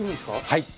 はい。